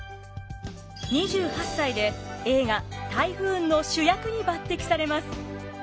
２８歳で映画「タイフーン」の主役に抜てきされます。